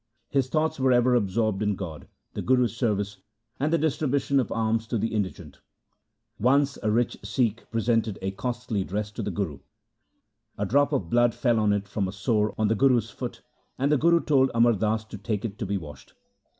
His thoughts were ever absorbed in God, the Guru's service, and the distribution of alms to the indigent. Once a rich Sikh presented a costly dress to the Guru. A drop of blood fell on it from a sore on the Guru's foot, and the Guru told Amar Das to take it to be washed.